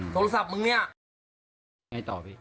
โทษธรรมมึง